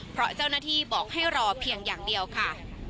เพราะเจ้าหน้าที่บอกให้รอเพียงอย่างเดียวค่ะ